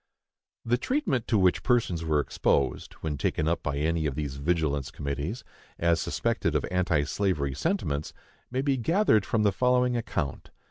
The treatment to which persons were exposed, when taken up by any of these vigilance committees, as suspected of anti slavery sentiments, may be gathered from the following account.